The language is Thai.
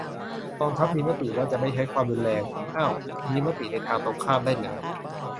"กองทัพมีมติว่าจะไม่ใช้ความรุนแรง" เอ้า มีมติในทางตรงข้ามได้เหรอ ?